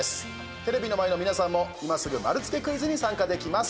テレビの前の皆さんも今すぐ丸つけクイズに参加できます。